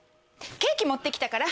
ケーキ持って来たから。